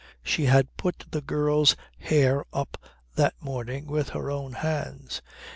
She had put the girl's hair up that morning with her own hands.